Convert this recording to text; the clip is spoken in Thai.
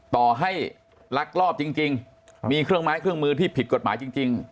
ต่อให้ลักลอบจริงมีเครื่องไม้เครื่องมือที่ผิดกฎหมายจริง